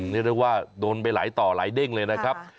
นี่เรียกว่าโดนไปไหลต่อไหลเด้งเลยนะครับ